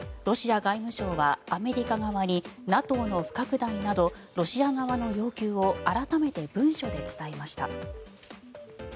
ロシア外務省はアメリカ側にＮＡＴＯの不拡大などロシア側の要求を改めて文書で伝えました。